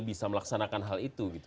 bisa melaksanakan hal itu